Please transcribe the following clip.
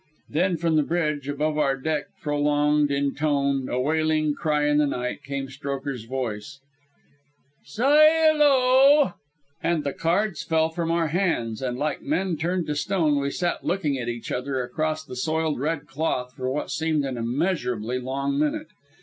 Then from the bridge, above our deck, prolonged, intoned a wailing cry in the night came Strokher's voice: "Sail oh h h." And the cards fell from our hands, and, like men turned to stone, we sat looking at each other across the soiled red cloth for what seemed an immeasurably long minute.